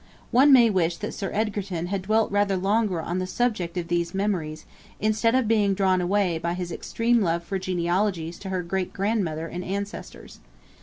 One may wish that Sir Egerton had dwelt rather longer on the subject of these memoirs, instead of being drawn away by his extreme love for genealogies to her great grandmother and ancestors.